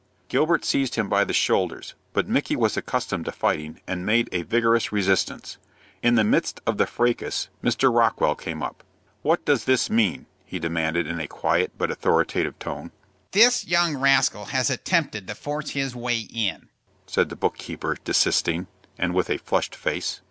Gilbert seized him by the shoulders; but Micky was accustomed to fighting, and made a vigorous resistance. In the midst of the fracas Mr. Rockwell came up. "What does this mean?" he demanded, in a quiet but authoritative tone. "This young rascal has attempted to force his way in," said the book keeper, desisting, and with a flushed face.